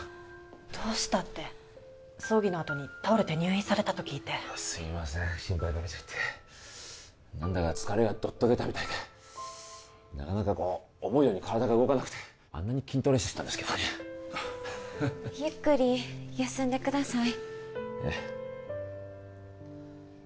どうしたって葬儀のあとに倒れて入院されたと聞いてすいません心配かけちゃって何だか疲れがどっと出たみたいでなかなかこう思うように体が動かなくてあんなに筋トレしてたんですけどねゆっくり休んでくださいええ